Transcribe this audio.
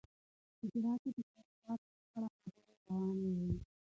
په حجره کې د شمشاد په اړه خبرې روانې وې.